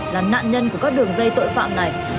là nạn nhân của các đường dây tội phạm này